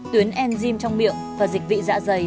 tuyến enzim trong miệng và dịch vị dạ dày